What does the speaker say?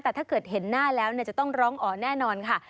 แต่ถ้าเกิดเห็นหน้าแล้วจะต้องร้องอ๋อแน่นอนค่ะ